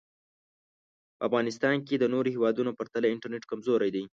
په افغانیستان کې د نورو هېوادونو پرتله انټرنټ کمزوری دی